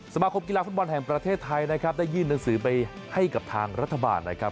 สมาคมกีฬาฟุตบอลแห่งประเทศไทยนะครับได้ยื่นหนังสือไปให้กับทางรัฐบาลนะครับ